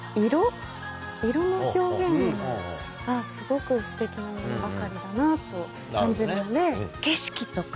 色の表現がすごくすてきなものばかりだなと感じるので。